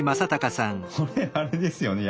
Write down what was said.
これあれですよね